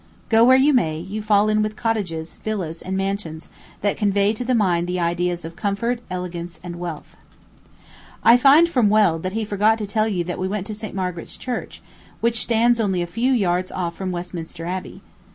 Go where you may, you fall in with cottages, villas, and mansions, that convey to the mind the ideas of comfort, elegance, and wealth. I find from Weld that he forgot to tell you that we went to St. Margaret's Church, which stands only a few yards off from Westminster Abbey.